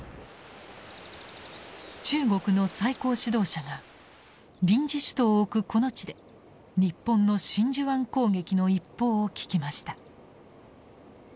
中国の最高指導者が臨時首都を置くこの地で日本の真珠湾攻撃の一報を聞きました。